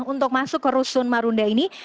untuk masuk ke rusun marunda ini